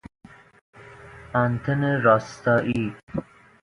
آنتن راستایی